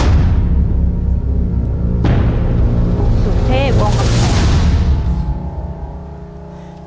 สุทธย์วงกำแหง